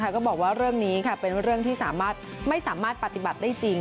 ก็บอกว่าเรื่องนี้เป็นเรื่องที่สามารถไม่สามารถปฏิบัติได้จริง